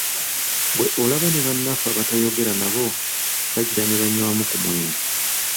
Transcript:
Ggwe olaba ne bannaffe abatayogera nabo bagira ne banywamu ku mwenge!